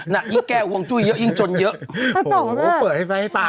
แล้วจะเริ่มจะเอาปั๊กออก